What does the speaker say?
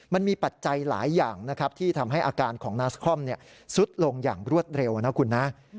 มันมีปัจจัยหลายอย่างที่ทำให้อาการของนักคล่อมซึ้ดลงอย่างรวดเร็วนะคุณนะ